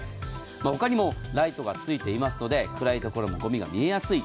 他にもライトがついていますので暗い所のごみが見えやすい。